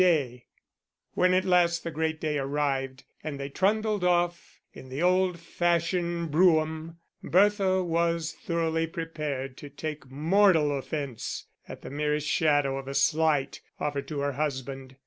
When at last the great day arrived, and they trundled off in the old fashioned brougham, Bertha was thoroughly prepared to take mortal offence at the merest shadow of a slight offered to her husband.